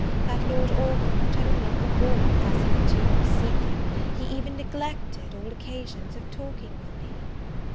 that Lord Orville not only forebore, as hitherto, seeking, he even neglected all occasions of talking with me!